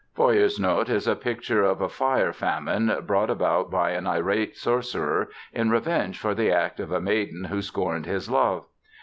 Feuersnot is a picture of a "fire famine" brought about by an irate sorcerer in revenge for the act of a maiden who scorned his love.